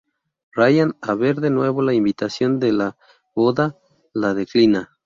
Ryan al ver de nuevo la invitación de la boda, la declina.